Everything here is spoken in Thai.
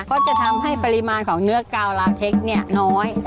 เพราะจะทำให้ปริมาณของเนื้อกาวลาเท็กนี้น้อย